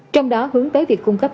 trong đó hướng tới việc cung cấp